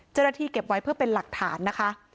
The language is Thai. เจ้าหน้าที่เก็บไว้เพื่อเป็นหลักฐานนะคะ